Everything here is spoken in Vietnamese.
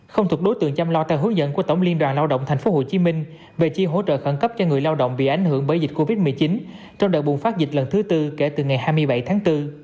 không thuộc đối tượng chăm lo theo hướng dẫn của tổng liên đoàn lao động tp hcm về chi hỗ trợ khẩn cấp cho người lao động bị ảnh hưởng bởi dịch covid một mươi chín trong đợt bùng phát dịch lần thứ tư kể từ ngày hai mươi bảy tháng bốn